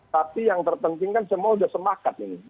tapi yang terpenting kan semua sudah semangat nih